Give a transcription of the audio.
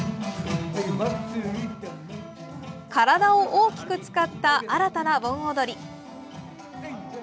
体を大きく使った新たな盆踊り！